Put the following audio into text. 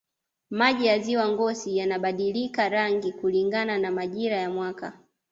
maji ya ziwa ngosi yanabadilika rangi kulingana na majira ya mwaka